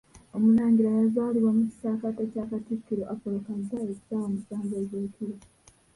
Omulangira yazaalirwa mu kisaakate kya Katikkiro Apolo Kaggwa essaawa musanvu ez'ekiro.